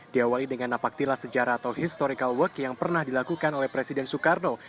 diawali dengan napaktila sejarah atau historical work yang pernah dilakukan oleh presiden soekarno